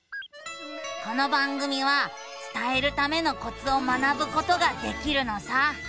この番組は伝えるためのコツを学ぶことができるのさ。